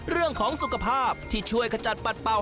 เรื่องของสุขภาพที่ช่วยขจัดปัดเป่า